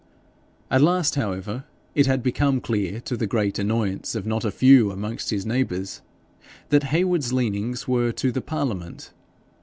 At last, however, it had become clear, to the great annoyance of not a few amongst his neighbours, that Heywood's leanings were to the parliament.